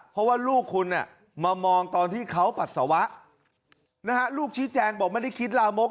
เพราะว่าลูกคุณมามองตอนที่เขาปัสสาวะนะฮะลูกชี้แจงบอกไม่ได้คิดลามก